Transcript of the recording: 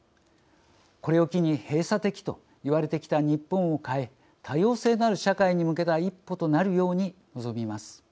これを機に閉鎖的と言われてきた日本を変え多様性のある社会に向けた一歩となるように望みます。